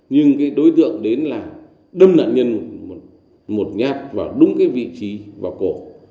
nhưng đối tượng đến là đâm nạn nhân một nhát vào đúng vị trí vào cổ